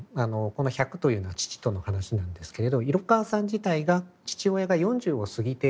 この「百」というのは父との話なんですけれど色川さん自体が父親が４０を過ぎてできた子供ということでですね